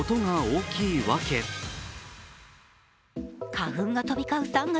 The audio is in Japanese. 花粉が飛び交う３月。